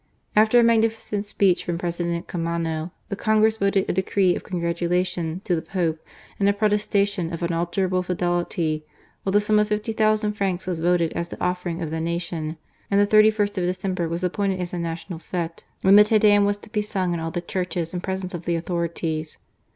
After a magnificent speech from President Caamano, the Congress voted a decree of congratulation to the Pope, and of protestation of unalterable fidelity; while the sum of 50,000 francs was voted as the offering of the nation, and the 31st of December was appointed as a national fete, when the Te Deum was to be sung in all the churches in presence of the authorities.